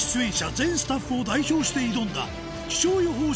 全スタッフを代表して挑んだ気象予報士